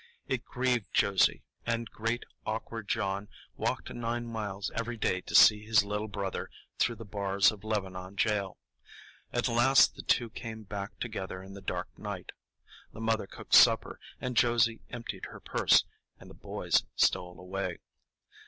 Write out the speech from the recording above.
It grieved Josie, and great awkward John walked nine miles every day to see his little brother through the bars of Lebanon jail. At last the two came back together in the dark night. The mother cooked supper, and Josie emptied her purse, and the boys stole away.